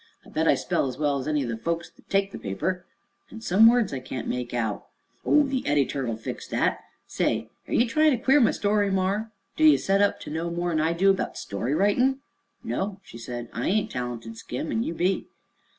"I bet I spell as well as any o' the folks thet takes the paper." "And some words I can't make out." "Oh, the edytur'll fix that. Say, air ye tryin' to queer my story, mar? Do ye set up to know more'n I do about story writin'?" "No," she said; "I ain't talented, Skim, an' you be."